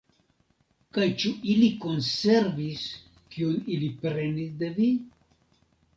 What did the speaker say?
Kaj ĉu ili konservis, kion ili prenis de vi?